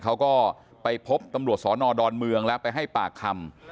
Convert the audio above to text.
เขาก็ไปพบตำรวจสอนอดอนเมืองแล้วไปให้ปากคำ